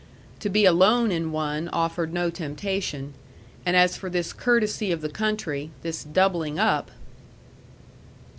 To be alone in one offered no temptation, and as for this courtesy of the country, this doubling up